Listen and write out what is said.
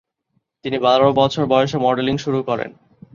তিনি বারো বছর বয়সে মডেলিং শুরু করেন।